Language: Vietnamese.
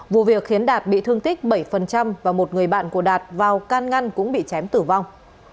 vụ việc khiến đạt bị thương tích bảy và một người bạn của đạt vào can ngăn cũng bị chém tử vong